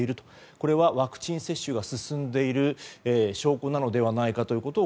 これはワクチン接種が進んでいる証拠なのではないかということを